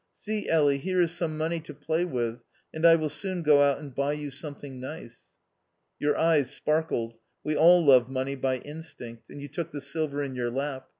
See, Elly, here is some money to play with, and I will soon go out and buy you something nice." Your eyes sparkled — we all love money by instinct — and you took the silver in your lap.